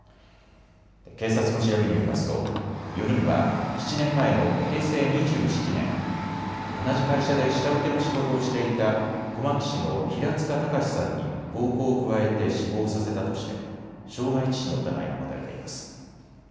警察の調べによりますと４人は７年前の平成２７年、同じ会社で下請けの仕事をしていた小牧市の平塚崇さんに暴行を加えて死亡させたとして傷害致死の疑いが持たれています。